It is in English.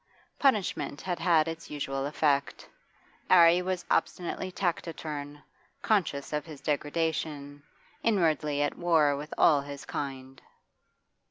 Punishment had had its usual effect; 'Arry was obstinately taciturn, conscious of his degradation, inwardly at war with all his kind.